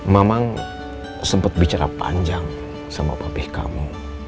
mamang sempat bicara panjang sama papih kamu